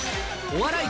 お笑い